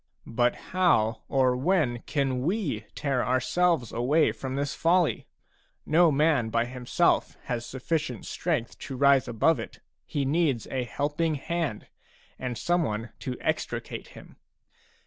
But how or when can we tear ourselves away from this folly ? No man by himself has sufficient strength to rise above it ; he needs a helping hand, and some one to extricate him.